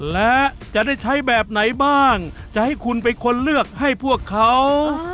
และจะได้ใช้แบบไหนบ้างจะให้คุณเป็นคนเลือกให้พวกเขา